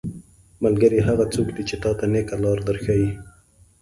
ملګری هغه څوک دی چې تاته نيکه لاره در ښيي.